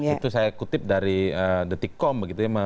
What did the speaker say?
itu saya kutip dari detikkom